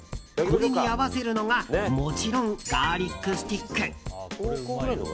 これに合わせるのがもちろんガーリックスティック。